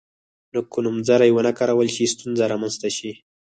که نومځري ونه کارول شي ستونزه رامنځته شي.